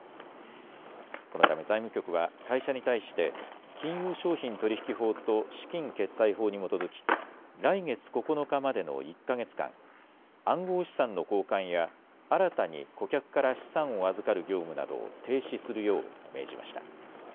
このため財務局は会社に対して金融商品取引法と資金決済法に基づき来月９日までの１か月間、暗号資産の交換や新たに顧客から資産を預かる業務などを停止するよう命じました。